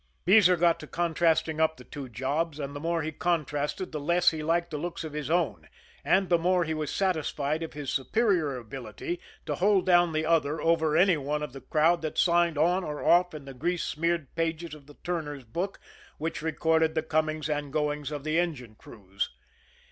Beezer got to contrasting up the two jobs, and the more he contrasted the less he liked the looks of his own, and the more he was satisfied of his superior ability to hold down the other over any one of the crowd that signed on or off in the grease smeared pages of the turner's book, which recorded the comings and goings of the engine crews.